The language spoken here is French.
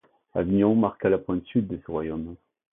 Avignon marqua la pointe sud de ce royaume.